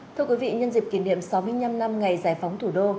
thưa quý vị nhân dịp kỷ niệm sáu mươi năm năm ngày giải phóng thủ đô